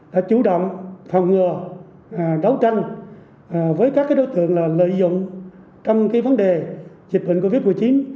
đã chủ động phòng ngừa đấu tranh với các đối tượng lợi dụng trong vấn đề dịch bệnh covid một mươi chín